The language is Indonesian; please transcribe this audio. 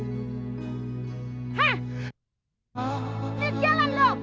lihat jalan dok